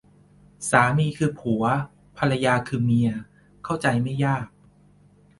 สามีคือผัว ภรรยาคือเมีย เข้าใจไม่ยาก